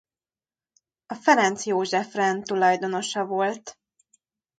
A Ferenc József-rend tulajdonosa volt.